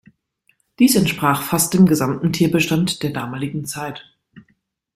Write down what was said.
Dies entsprach fast dem gesamten Tierbestand der damaligen Zeit.